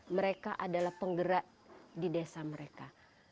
mereka adalah penggerak di desa mereka